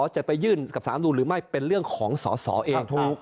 จะไปยื่นกับสารธรรมนุนหรือไม่เป็นเรื่องของสอสอเอง